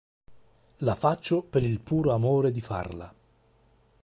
La faccio per il puro amore di farla".